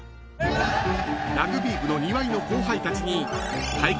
［ラグビー部の庭井の後輩たちに］